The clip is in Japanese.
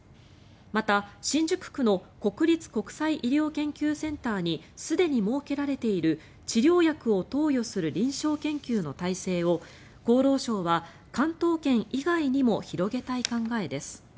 また、新宿区の国立国際医療研究センターにすでに設けられている治療薬を投与する臨床研究の体制を厚労省は関東圏以外にも広げたい考えです。